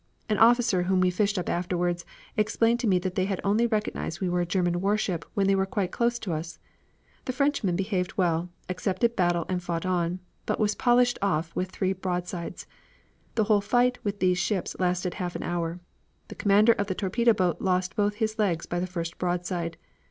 An officer whom we fished up afterward explained to me that they had only recognized we were a German warship when they were quite close to us. The Frenchman behaved well, accepted battle and fought on, but was polished off by us with three broadsides. The whole fight with those ships lasted half an hour. The commander of the torpedo boat lost both legs by the first broadside.